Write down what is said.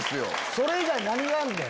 それ以外何があんねん！